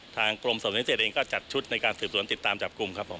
ทางกรมสอบพิเศษเองก็จัดชุดในการสืบสวนติดตามจับกลุ่มครับผม